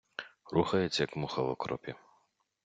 Рухається, як муха в окропі.